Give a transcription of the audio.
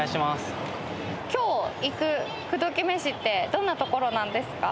今日行く口説き飯ってどんなところなんですか？